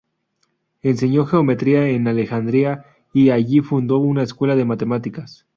Enseñó geometría en Alejandría, y allí fundó una escuela de matemáticas.